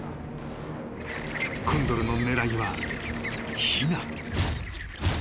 ［コンドルの狙いは］